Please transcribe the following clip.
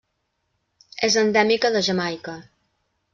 És endèmica de Jamaica.